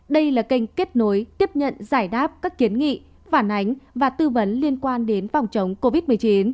đây là kênh kết nối tiếp nhận giải đáp các kiến nghị phản ánh và tư vấn liên quan đến phòng chống covid một mươi chín